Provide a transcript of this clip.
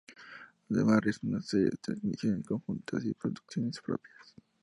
Además realiza una serie de transmisiones conjuntas y producciones propias.